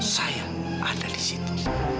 saya ada di situ